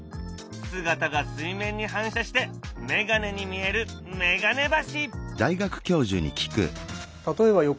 姿が水面に反射して眼鏡に見える眼鏡橋。